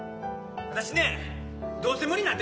私ね「どうせ無理」なんて